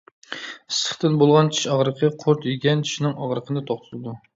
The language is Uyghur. ئىسسىقتىن بولغان چىش ئاغرىقى، قۇرت يېگەن چىشنىڭ ئاغرىقىنى توختىتىدۇ.